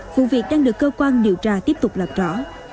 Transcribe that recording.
vụ việc đang được cơ quan điều tra tiếp tục làm rõ